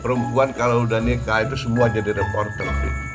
perempuan kalau udah nikah itu semua jadi reporter